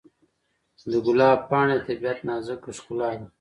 د ګلاب پاڼې د طبیعت نازک ښکلا ده.